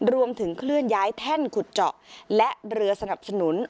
เคลื่อนย้ายแท่นขุดเจาะและเรือสนับสนุน